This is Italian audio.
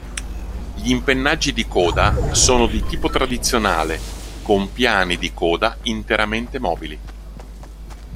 Gli impennaggi di coda sono di tipo tradizionale con piani di coda interamente mobili.